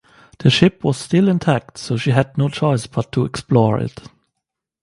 The ship was still intact so she had no choice but to explore it.